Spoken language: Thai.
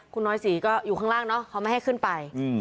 คุณน้อยศรีก็อยู่ข้างล่างเนาะเขาไม่ให้ขึ้นไป